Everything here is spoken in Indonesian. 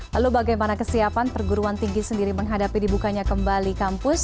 lalu bagaimana kesiapan perguruan tinggi sendiri menghadapi dibukanya kembali kampus